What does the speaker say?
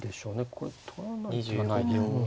これは取らない手はない。